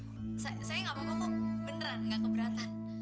saya gak apa apa beneran gak keberatan